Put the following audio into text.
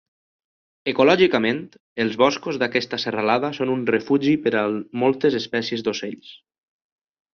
Ecològicament els boscos d'aquesta serralada són un refugi per al moltes espècies d'ocells.